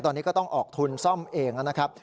ตอนนี้ก็ต้องออกทุนซ่อมเองนะครับ